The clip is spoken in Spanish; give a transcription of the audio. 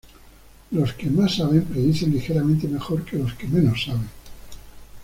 Los que más saben predicen ligeramente mejor que los que menos saben.